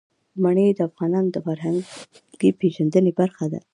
منی د افغانانو د فرهنګي پیژندنې برخه ده.